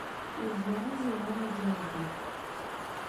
Узлаазеи, уанаџьалбеит?!